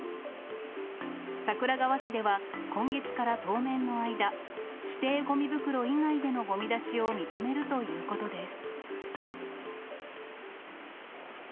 桜川市では、今月から当面の間、指定ごみ袋以外でのごみ出しを認めるということです。